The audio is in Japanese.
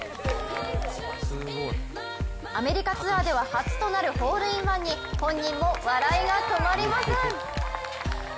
アメリカツアーでは初となるホールインワンに本人も笑いが止まりません。